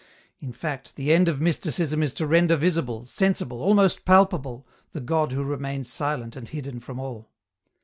" In fact, the end of Mysticism is to render visible, sensible, almost palpable, the God who remains silent and hidden from all."